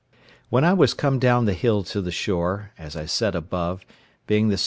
When I was come down the hill to the shore, as I said above, being the SW.